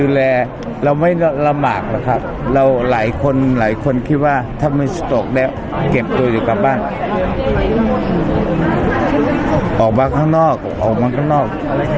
ดูแลเราไม่ระหมากนะครับเราหลายคนหลายคนคิดว่าถ้ามีโต๊ะแด้เก็บตัวอยู่กับบ้านออกมาข้างนอกออกมาข้างนอก